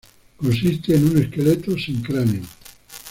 Consiste en un esqueleto sin cráneo.